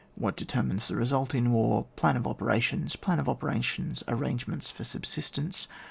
What determines the result in war. Plan of operations. Plan of operations — arrangements for subsistence.